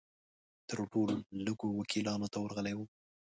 تر ټولو لږو وکیلانو ته ورغلی وم.